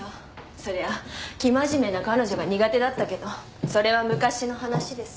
そりゃ生真面目な彼女が苦手だったけどそれは昔の話です